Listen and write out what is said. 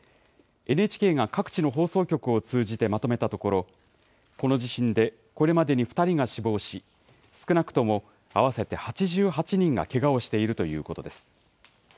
ＮＨＫが各地の放送局を通じてまとめたところこの地震でこれまでに２人が死亡し少なくとも合わせて８８人がけがをしているということです。